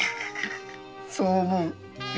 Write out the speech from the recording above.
そう思う？